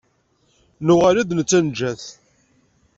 Nuɣal-d, netta neǧǧa-t.